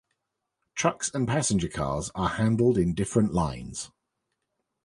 Trucks and passenger cars are handled in different lines.